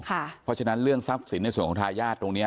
เพราะฉะนั้นเรื่องทรัพย์สินในส่วนของทายาทตรงนี้